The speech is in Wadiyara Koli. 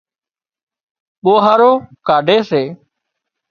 ٻوهارو ڪاڍي سي۔